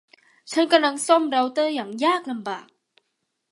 ฉันกำลังซ่อมเร้าเตอร์อย่างยากลำบาก